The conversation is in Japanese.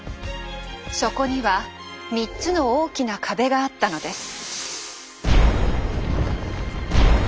そこには３つの大きな壁があったのです。